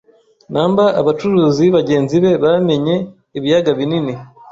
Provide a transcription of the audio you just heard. numberAbacuruzi bagenzi be bamenye ibiyaga binini